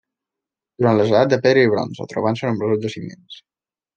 Durant les edats de Pedra i Bronze, trobant-se nombrosos jaciments.